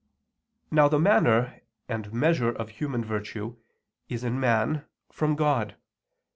Now the manner and measure of human virtue is in man from God.